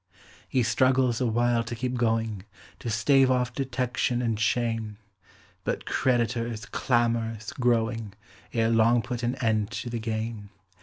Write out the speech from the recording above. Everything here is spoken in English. He struggles awhile to keep going, To stave off detection and shame; But creditors, clamorous growing, Ere long put an end to the game.